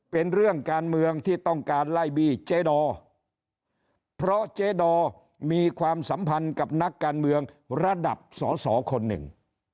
เป็นเรื่องการเมืองที่ต้องการไล่บี้เจ๊ดอเพราะเจ๊ดอมีความสัมพันธ์กับนักการเมืองระดับสอสอคนหนึ่ง